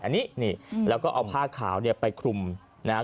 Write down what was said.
อันนี้นี่แล้วก็เอาผ้าขาวเนี่ยไปคลุมนะครับ